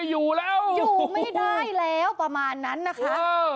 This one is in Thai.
อยู่ไม่ได้แล้วประมาณนั้นนะคะ